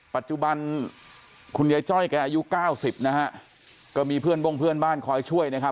ปัจจุบันคุณยายจ้อยแกอายุเก้าสิบนะฮะก็มีเพื่อนบ้งเพื่อนบ้านคอยช่วยนะครับ